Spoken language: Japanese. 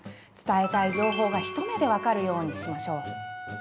伝えたい情報が一目でわかるようにしましょう。